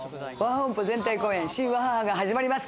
本舗全体公演『シン・ワハハ』が始まります。